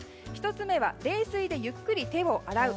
１つ目は冷水でゆっくり手を洗う。